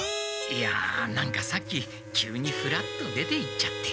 いや何かさっき急にフラッと出ていっちゃって。